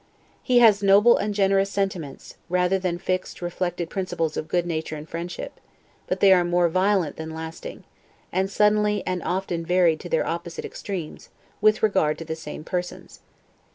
He has noble and generous sentiments, rather than fixed reflected principles of good nature and friendship; but they are more violent than lasting, and suddenly and often varied to their opposite extremes, with regard to the same persons.